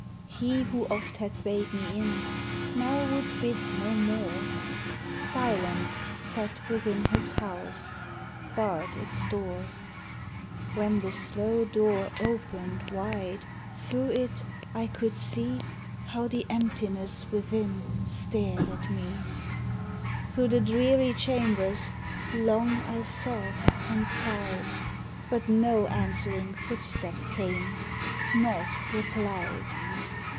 He who oft had bade me in, now would bid no more; Silence sat within his house; barred its door. When the slow door opened wide through it I could see How the emptiness within stared at me. Through the dreary chambers, long I sought and sighed, But no answering footstep came; naught replied.